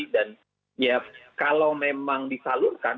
dan kalau memang disalurkan